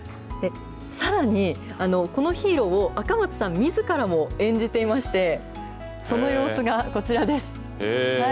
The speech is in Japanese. さらに、このヒーローを、赤松さんみずからも演じていまして、その様子がこちらです。